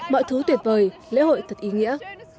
mọi thứ tuyệt vời lễ hội thật ý nghĩa